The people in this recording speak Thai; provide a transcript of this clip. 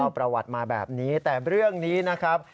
ประวัติมาแบบนี้แต่เรื่องนี้นะครับ